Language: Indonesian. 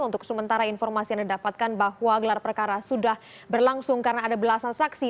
untuk sementara informasi yang didapatkan bahwa gelar perkara sudah berlangsung karena ada belasan saksi